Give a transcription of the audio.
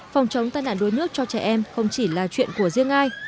phòng chống tai nạn đuối nước cho trẻ em không chỉ là chuyện của riêng ai